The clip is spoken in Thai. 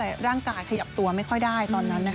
มีร่างกายขยับตัวไม่ค่อยได้